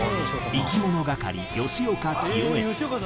いきものがかり吉岡聖恵。